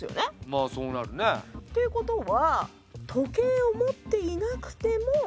まあそうなるね。ということは時計を持っていなくても。